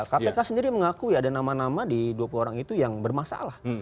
kpk sendiri mengakui ada nama nama di dua puluh orang itu yang bermasalah